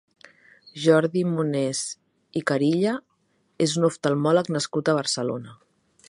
Jordi Monés i Carilla és un oftalmòleg nascut a Barcelona.